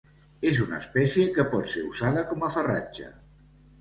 És una espècie que pot ser usada com a farratge.